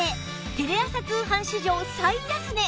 テレ朝通販史上最安値！